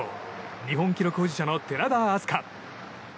日本記録保持者の寺田明日香。